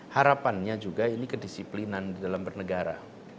harapannya juga ini kedisiplinan di dalam bernegara